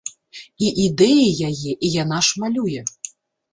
І ідэі яе, і яна ж малюе.